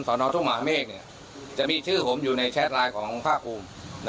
นทุ่งมหาเมฆจะมีชื่อผมอยู่ในแชทไลน์ของภาคภูมิ